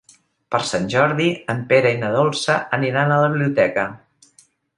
Per Sant Jordi en Pere i na Dolça aniran a la biblioteca.